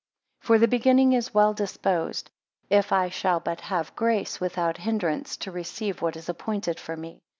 3 For the beginning is well disposed, if I shall but have grace, without hindrance, to receive what is appointed for me.